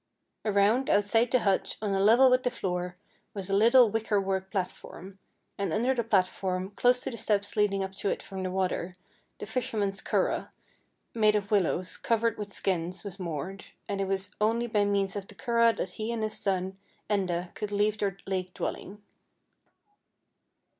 Around, out side the hut, on a level with the floor, was a little wicker work platform, and under the platform, close to the steps leading up to it from the water, the fisherman's curragh, made of willows, cov ered with skins, was moored, and it was only by means of the curragh that he and his son, Enda, could leave their lake dwelling.